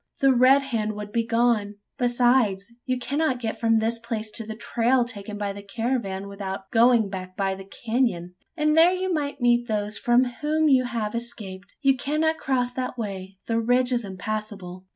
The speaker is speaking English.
The Red Hand would be gone. Besides, you cannot get from this place to the trail taken by the caravan, without going back by the canon; and there you might meet those from whom you have escaped. You cannot cross that way: the ridge is impassable."